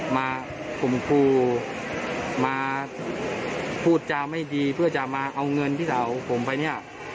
มาขุมครูมาพูดจะไม่ดีเพื่อจะมาเอาเงินพี่สาผมไป